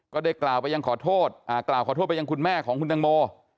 ก็ได้กล่าวขอโทษไปยังคุณแม่ของคุณแตงโม